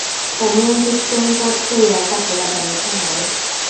Omuntu ssempotwe y’atakolaganika naye.